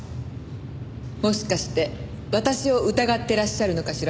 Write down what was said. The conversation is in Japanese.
もしかして私を疑ってらっしゃるのかしら？